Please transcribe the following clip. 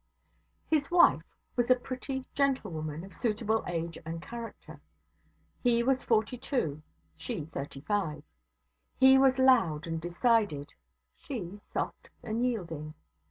His wife was a pretty, gentle woman, of suitable age and character. He was forty two, she thirty five. He was loud and decided; she soft and yielding.